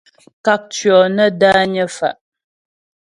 Kákcyɔ́ nə́ dányə́ fá'.